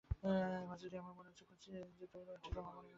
Ortiz, আমার মনে হচ্ছে খুনি অনেক দিন ধরে এই ধরনের পেশায় রয়েছে।